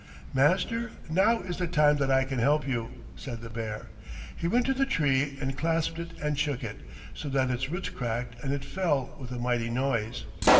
"Master, now is the time that I can help you," said the bear. He went to the tree and clasped it and shook it, so that its roots cracked, and it fell with a mighty noise.